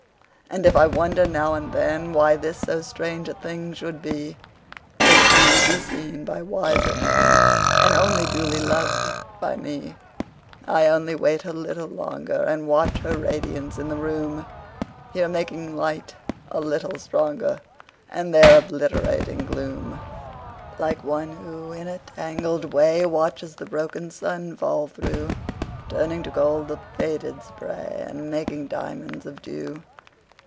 And if I wonder now and thenWhy this so strange a thing should be—That she be seen by wiser menAnd only duly lov'd by me:I only wait a little longer, And watch her radiance in the room; Here making light a little stronger, And there obliterating gloom,(Like one who, in a tangled way, Watches the broken sun fall through, Turning to gold the faded spray, And making diamonds of dew).